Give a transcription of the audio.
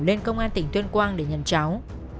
lên công an tỉnh tuyên quang để nhận cháu